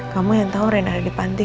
kamu yang tahu ren ada di panti